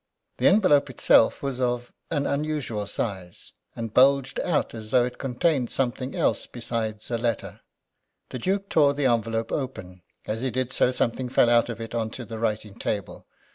The envelope itself was of an unusual size, and bulged out as though it contained something else besides a letter. The Duke tore the envelope open. As he did so something fell out of it on to the writing table.